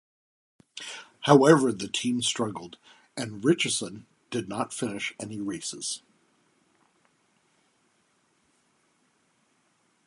However, the team struggled, and Richeson did not finish any races.